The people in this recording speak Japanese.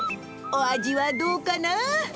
お味はどうかな？